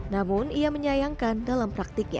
namun ia menyayangkan dalam praktiknya